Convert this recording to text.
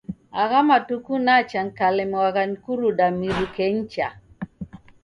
Agha matuku nacha nikalemwagha ni kuruda miruke nicha.